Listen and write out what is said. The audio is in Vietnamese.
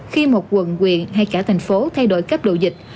khi một quận quyện hay cả thành phố thay đổi cấp độ dịch